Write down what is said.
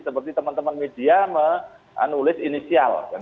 seperti teman teman media menulis inisial